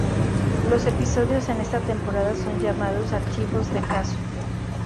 Los episodios en esta temporada son llamados "Archivos de caso"